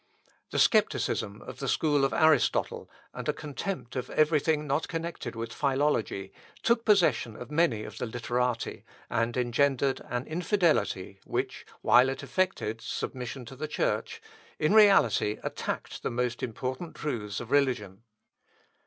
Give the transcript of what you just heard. The scepticism of the school of Aristotle, and a contempt of everything not connected with philology, took possession of many of the Literati, and engendered an infidelity which, while it affected submission to the Church, in reality attacked the most important truths of religion.